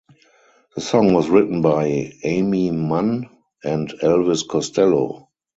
The song was written by Aimee Mann and Elvis Costello.